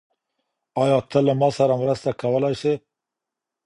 ايا ته له ما سره مرسته کولای سې؟